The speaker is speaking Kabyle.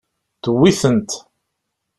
Tewwi-tent.